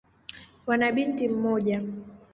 Wana binti mmoja.